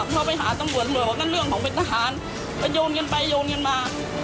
เขาไปหาตำรวจหน่วยว่าก็เรื่องของเป็นทหารไปโยนกันไปโยนกันมา